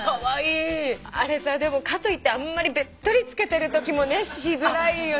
かといってあんまりべっとり付けてるときもねしづらいよね。